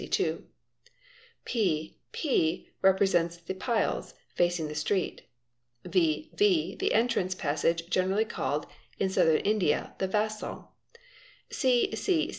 P,P, represent the pials, facing the street; V, V, the ol passage generally called in Southern India the Vasal.